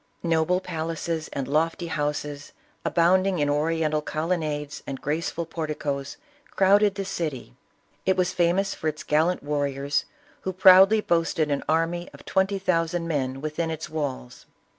No ble palaces and lofty houses, abounding in Oriental colonnades and graceful porticoes, crowded the city. It was famous for its gallant warriors, who proudly boasted an army of twenty thousand men within its walls.